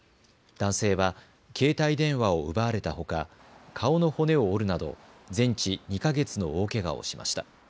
男性は携帯電話を奪われたほか顔の骨を折るなど全治２か月の大けがをしました。